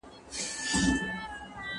د خپل پرهر د دړد ده، سرو ګلونو ژبه زده که